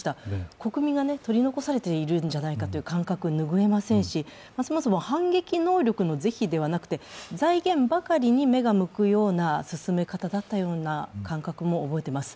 国民が取り残されているんじゃないかという感覚が拭えませんしますます反撃能力の是非ではなくて、財源ばかりに目が向くような進め方だったような感覚も覚えています。